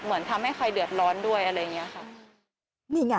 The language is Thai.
เหมือนทำให้ใครเดือดร้อนด้วยอะไรอย่างนี้ค่ะ